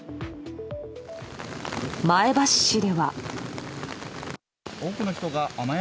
前橋市では。